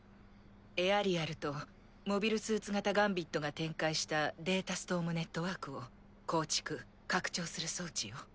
エアリアルとモビルスーツ型ガンビットが展開したデータストームネットワークを構築拡張する装置よ。